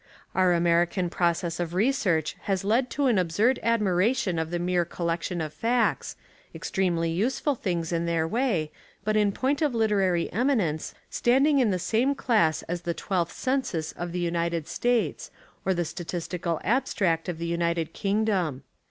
Our American process of research has led to an absurd admiration of the mere collection of facts, extremely useful things in their way but in point of literary eminence standing in the same class as the Twelfth Census of the United States or the Statistical Abstract of the United Kingdom.